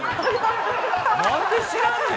何で知らんねん。